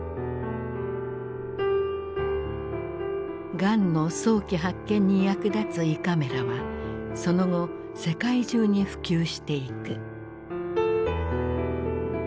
がんの早期発見に役立つ胃カメラはその後世界中に普及していく。